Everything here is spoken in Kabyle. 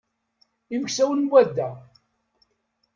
Imeksawen n wadda.